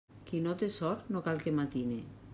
Qui no té sort, no cal que matine.